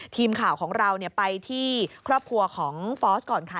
ทีมข่าวของเราไปที่ครอบครัวของฟอสก่อนค่ะ